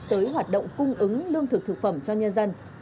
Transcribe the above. tới hoạt động cung ứng lương thực thực phẩm cho nhân dân